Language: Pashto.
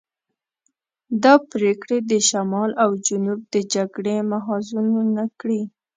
دا پرېکړې دې شمال او جنوب د جګړې محاذونه کړي.